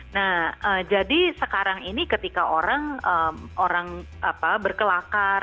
nah jadi sekarang ini ketika orang berkelakar